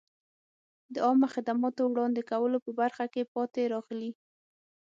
د عامه خدماتو وړاندې کولو په برخه کې پاتې راغلي.